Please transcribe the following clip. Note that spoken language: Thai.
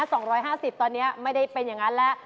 ๒๕๐บาทตอนนี้ไม่ได้เป็นอย่างนั้นแล้ว